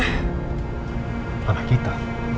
hai anak kita